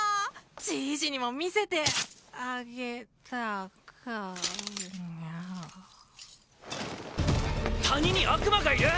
じいじにも見せてあげたかった谷に悪魔がいる？